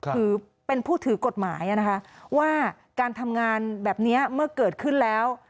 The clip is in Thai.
ถือเป็นผู้ถือกฎหมายนะคะว่าการทำงานแบบนี้เมื่อเกิดขึ้นแล้ว